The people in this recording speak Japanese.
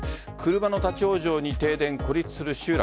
車の立ち往生に停電、孤立する集落。